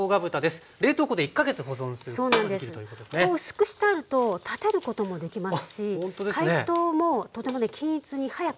薄くしてあると立てることもできますし解凍もとてもね均一に早くできる。